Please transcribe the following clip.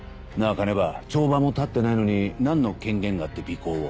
鐘場帳場も立ってないのに何の権限があって尾行を？